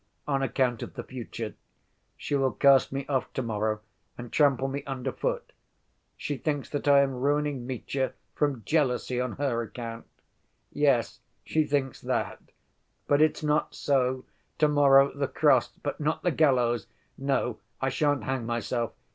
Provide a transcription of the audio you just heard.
On account of the future. She will cast me off to‐morrow and trample me under foot. She thinks that I am ruining Mitya from jealousy on her account! Yes, she thinks that! But it's not so. To‐morrow the cross, but not the gallows. No, I shan't hang myself.